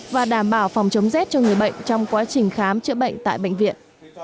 và đảm bảo phòng chống rét cho người bệnh trong quá trình khám chữa bệnh tại bệnh viện